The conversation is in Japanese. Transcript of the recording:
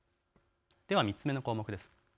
３つ目の項目です。